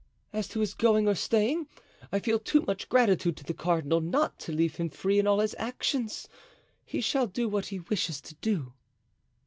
As to his going or staying, I feel too much gratitude to the cardinal not to leave him free in all his actions; he shall do what he wishes to do."